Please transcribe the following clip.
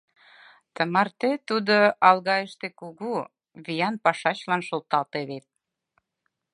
Тымарте тудо Алгайыште кугу, виян пашачылан шотлалте вет.